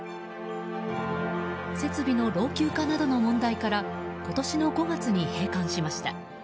設備の老朽化などの問題から今年の５月に閉館しました。